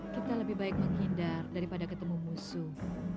kita lebih baik menghindar daripada ketemu musuh